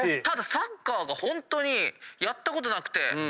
ただサッカーホントにやったことなくて。